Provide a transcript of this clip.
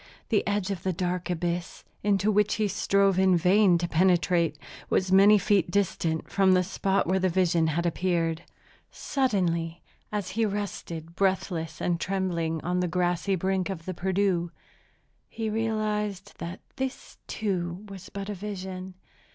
The edge of the dark abyss, into which he strove in vain to penetrate, was many feet distant from the spot where the vision had appeared. Suddenly, as he rested, breathless and trembling, on the grassy brink of the Perdu, he realized that this, too, was but a vision.